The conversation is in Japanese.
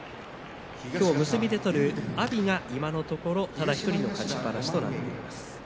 今日結びで取る阿炎が今のところただ１人の勝ちっぱなしとなります。